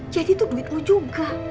jadi itu duit lo juga